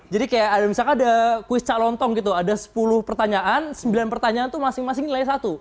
jadi kayak misalkan ada kuis calontong gitu ada sepuluh pertanyaan sembilan pertanyaan itu masing masing nilai satu